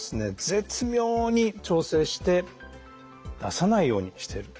絶妙に調整して出さないようにしてる。